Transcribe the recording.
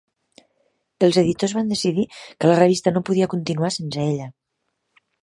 Els editors van decidir que la revista no podia continuar sense ella.